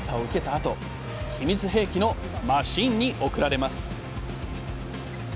あと秘密兵器のマシンに送られます